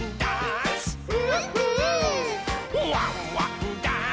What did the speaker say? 「ワンワンダンス！」